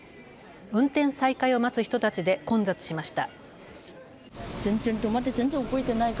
運転再開を待つ人たちで混雑しました。